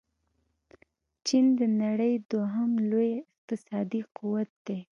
چين د نړۍ دوهم لوی اقتصادي قوت دې.